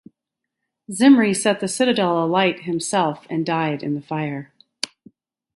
Zimri set the citadel alight himself and died in the fire.